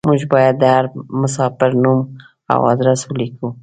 موږ بايد د هر مساپر نوم او ادرس وليکو.